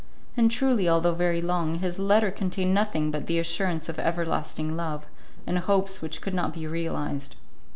And truly, although very long, his letter contained nothing but the assurance of everlasting love, and hopes which could not be realized.